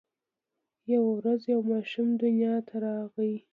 یوه ورځ یو ماشوم دنیا ته راغی.